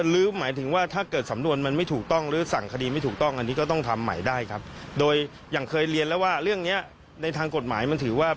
เรียนของเสียแป้งค่ะ